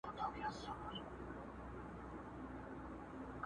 چي ډوب تللی وو د ژوند په اندېښنو کي!.